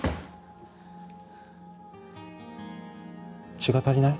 血が足りない？